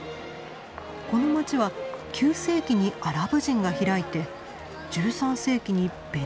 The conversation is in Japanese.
この街は９世紀にアラブ人が開いて１３世紀にベネチアが支配。